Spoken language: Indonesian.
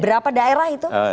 berapa daerah itu